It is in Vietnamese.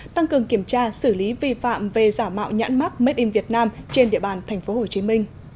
tăng cường kiểm tra xử lý vi phạm về giả mạo nhãn mắc made in vietnam trên địa bàn tp hcm